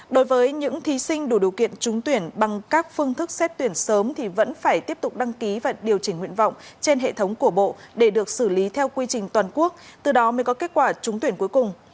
đối với những thí sinh đủ điều kiện trúng tuyển bằng các phương thức xét tuyển sớm thì vẫn phải tiếp tục đăng ký và điều chỉnh nguyện vọng trên hệ thống của bộ để được xử lý theo quy trình toàn quốc từ đó mới có kết quả trúng tuyển cuối cùng